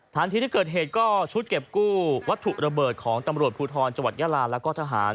ทีที่เกิดเหตุก็ชุดเก็บกู้วัตถุระเบิดของตำรวจภูทรจังหวัดยาลาแล้วก็ทหาร